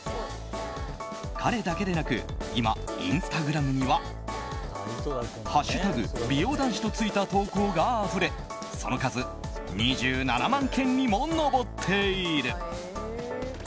彼だけでなく今、インスタグラムには「＃美容男子」とついた投稿があふれその数、２７万件にも上っている。